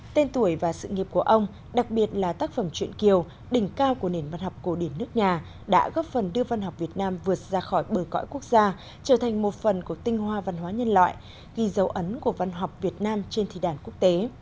tên tuổi và sự nghiệp của ông đặc biệt là tác phẩm chuyện kiều đỉnh cao của nền văn học cổ điển nước nhà đã góp phần đưa văn học việt nam vượt ra khỏi bờ cõi quốc gia trở thành một phần của tinh hoa văn hóa nhân loại ghi dấu ấn của văn học việt nam trên thị đàn quốc tế